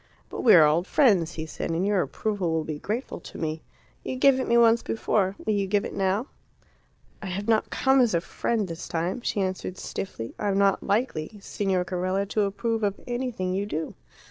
"But we are old friends," he said, "and your approval will be grateful to me. You gave it me once before. Will you give it now?" "I have not come as a friend this time," she answered stiffly. "I am not likely, Signor Carella, to approve of anything you do."